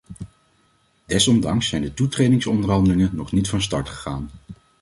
Desondanks zijn de toetredingsonderhandelingen nog niet van start gegaan.